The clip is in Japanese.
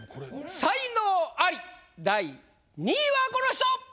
才能アリ第２位はこの人！